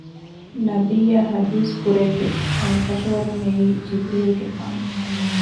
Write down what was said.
ނަބިއްޔާ ޙަދީޘް ކުރެއްވި ހަމަކަށަވަރުން އެއީ ޖިބްރީލުގެފާނު